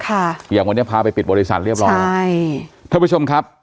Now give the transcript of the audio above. อย่างวันนี้พาไปปิดบริษัทเรียบร้อยใช่ท่านผู้ชมครับ